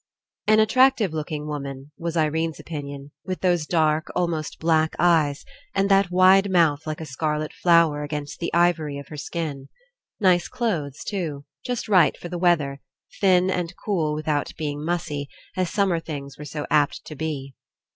An attractive looking woman, was 15 PASSING Irene's opinion, with those dark, almost black, eyes and that wide mouth like a scarlet flower against the Ivory of her skin. Nice clothes too, just right for the weather, thin and cool with out being mussy, as summer things were so apt to be.